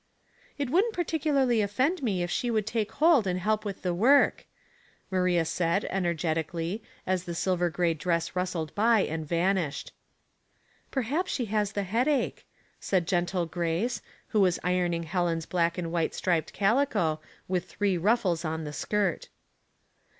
"It wouldn't particularly offend me if she should take hold and help with this work," Ma ria said, energetically, as the silver gray dress rustled by and vanished. ''Perhaps she has the headache," said gentle Grace, who was ironing Helen's black and white striped calico, with three ruffles on the skirt.